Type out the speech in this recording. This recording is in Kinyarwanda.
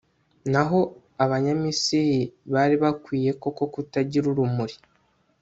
naho abanyamisiri bari bakwiye koko kutagira urumuri